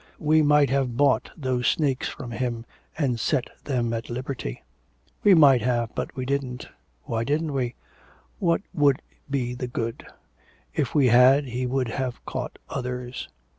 'We might have bought those snakes from him, and set them at liberty.' 'We might have, but we didn't.' 'Why didn't we?' 'What would be the good? ... If we had, he would have caught others.'